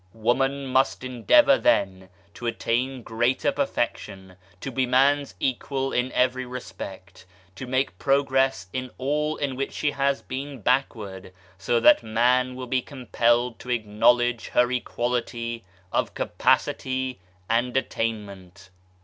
Woman must endeavour then to attain greater perfection, to be man's equal in every respect, to make progress in all in which she has been backward, so that man will be compelled to acknowledge her equality of capacity and attainment.